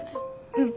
うん。